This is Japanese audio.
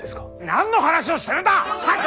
何の話をしてるんだ！